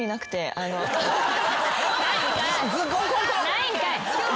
ないんかい！